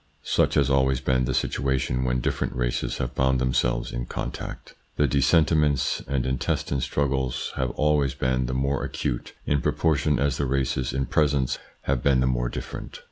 Such has always been the situation when different races have found themselves in contact. The dis sentiments and intestine struggles have always been the more acute in proportion as the races in presence have been the more different.